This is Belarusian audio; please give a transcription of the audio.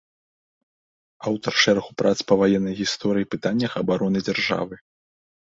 Аўтар шэрагу прац па ваеннай гісторыі і пытаннях абароны дзяржавы.